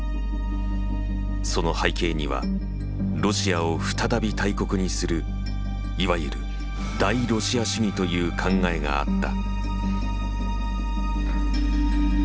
その背景にはロシアを再び大国にするいわゆる大ロシア主義という考えがあった。